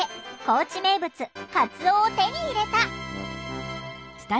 高知名物かつおを手に入れた。